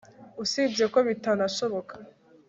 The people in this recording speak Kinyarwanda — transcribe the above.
usibye ko bitanashoboka